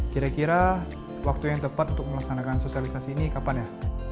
kira kira waktu yang tepat untuk melaksanakan sosialisasi ini kapan ya